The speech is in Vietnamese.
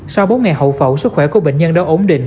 sau bốn ngày hậu phẫu sức khỏe của bệnh nhân đã ổn định